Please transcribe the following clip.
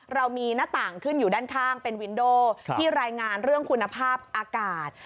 เรามีหน้าต่างขึ้นอยู่ด้านข้างเป็นวินโดที่รายงานเรื่องคุณภาพอากาศ